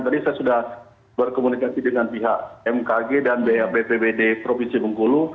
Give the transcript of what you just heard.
tadi saya sudah berkomunikasi dengan pihak mkg dan bpbd provinsi bengkulu